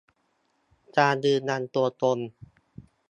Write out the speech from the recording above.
การยืนยันตัวตน